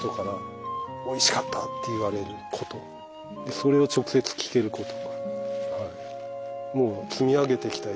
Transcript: それを直接聞けること。